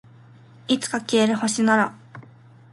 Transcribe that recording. いつか消える星なら